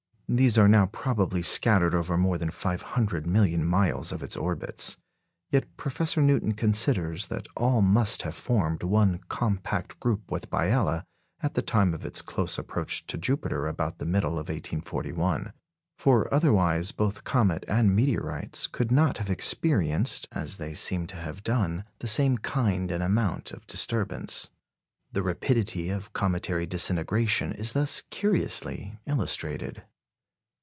These are now probably scattered over more than five hundred million miles of its orbits; yet Professor Newton considers that all must have formed one compact group with Biela at the time of its close approach to Jupiter about the middle of 1841. For otherwise both comet and meteorites could not have experienced, as they seem to have done, the same kind and amount of disturbance. The rapidity of cometary disintegration is thus curiously illustrated.